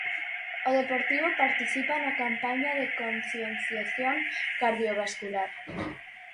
O Deportivo participa na campaña de concienciación cardiovascular.